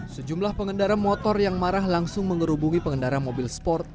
sejumlah pengendara motor yang marah langsung mengerubungi pengendara mobil sport